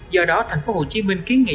do đó thành phố hồ chí minh kiến nghị